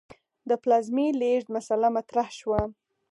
د پلازمې لېږد مسئله مطرح شوه.